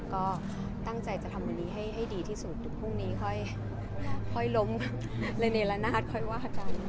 ก็ตั้งใจจะทำวันนี้ให้ดีที่สุดพรุ่งนี้ค่อยล้มระเนละนาดค่อยว่ากัน